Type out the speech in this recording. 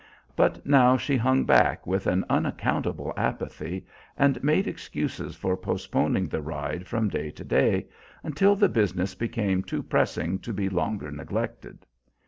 But now she hung back with an unaccountable apathy, and made excuses for postponing the ride from day to day, until the business became too pressing to be longer neglected.